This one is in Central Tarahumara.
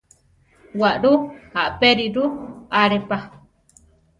Waʼlú apériru alé pa.